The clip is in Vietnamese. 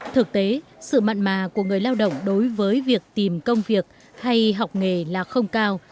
thực tế sự mặn mà của người lao động đối với việc tìm công việc hay học nghề là không cao